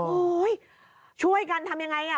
โอ้ยช่วยกันทำยังไง